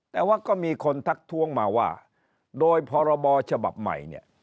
แต่ว่าก็มีคนทักท้วงมาว่าโดยพรบฉบับใหม่เนี่ย